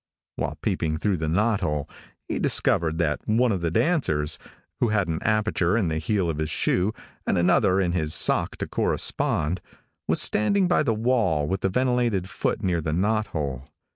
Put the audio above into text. While peeping through the knot hole, he discovered that one of the dancers, who had an aperture in the heel of his shoe and another in his sock to correspond, was standing by the wall with the ventilated foot near the knot hole.